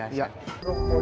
boleh mirandiskan soal sep